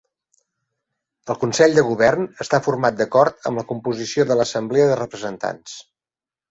El Consell de Govern està format d'acord amb la composició de l'Assemblea de Representants.